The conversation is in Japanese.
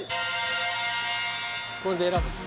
これで選ぶの？